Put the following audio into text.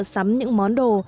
sắm những món đồ